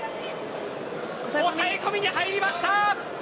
抑え込みに入りました。